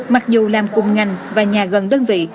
mặc dù làm cùng ngành và nhà gần đơn vị